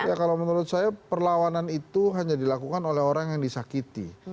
ya kalau menurut saya perlawanan itu hanya dilakukan oleh orang yang disakiti